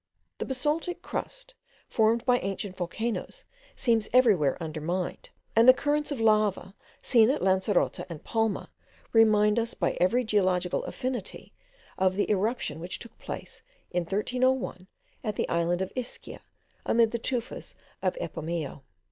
The basaltic crust, formed by ancient volcanoes, seems everywhere undermined; and the currents of lava, seen at Lancerota and Palma, remind us, by every geological affinity, of the eruption which took place in 1301 at the island of Ischia, amid the tufas of Epomeo.